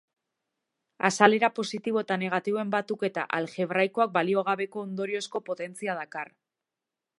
Azalera positibo eta negatiboen batuketa aljebraikoak baliogabeko ondoriozko potentzia dakar.